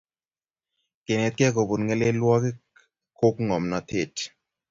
Kenetkei kopun ngelelwogik ko ngomnotet